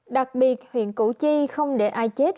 đặc biệt huyện củ chi không để ai chết